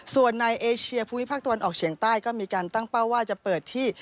ส่วนในเอเชียภูมิภาคตะวันออกเฉียงใต้ก็มีการตั้งเป้าว่าจะเปิดที่